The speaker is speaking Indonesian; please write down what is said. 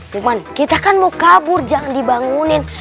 kuman kita kan mau kabur jangan dibangunin